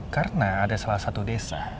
karena ada salah satu desa